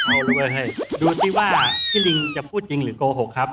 เอาแล้วไว้ให้ดูสิว่าพี่ลิงจะพูดจริงหรือโกหกครับ